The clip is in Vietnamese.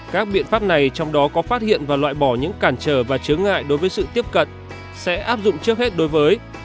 các biện pháp này trong đó có phát hiện và loại bỏ những cản trở và chứng ngại đối với sự tiếp cận sẽ áp dụng trước hết đối với